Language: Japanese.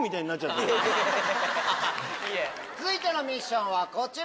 続いてのミッションはこちら！